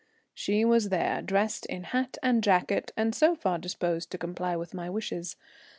She was there, dressed in hat and jacket, and so far disposed to comply with my wishes.